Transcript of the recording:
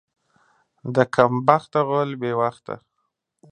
د کم بخته غول بې وخته.